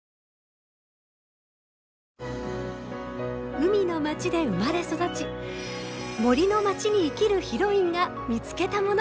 海の町で生まれ育ち森の町に生きるヒロインが見つけたもの。